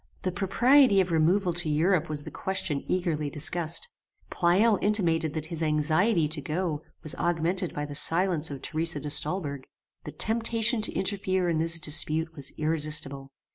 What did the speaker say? "The propriety of removal to Europe was the question eagerly discussed. Pleyel intimated that his anxiety to go was augmented by the silence of Theresa de Stolberg. The temptation to interfere in this dispute was irresistible.